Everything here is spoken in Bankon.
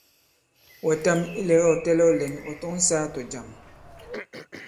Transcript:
Wɛ̀tam ilɛ̀ga ɔ̀ tɛlɛ̄w lɛ̌n, ɔ̀ tɔ̌ŋ sāā tɔ̀jàm.